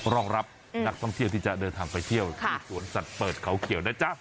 รองรับนักท่องเที่ยวที่จะเดินทางไปเที่ยวที่สวนสัตว์เปิดเขาเขียวนะจ๊ะ